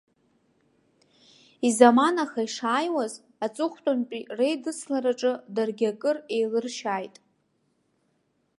Изаманаха ишааиуаз, аҵыхәтәантәи реидыслараҿы даргьы акыр еилыршьааит.